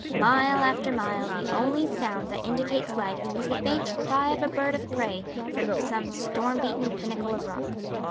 Mile after mile the only sound that indicates life is the faint cry of a bird of prey from some stormbeaten pinnacle of rock.